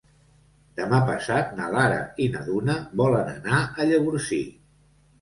Demà passat na Lara i na Duna volen anar a Llavorsí.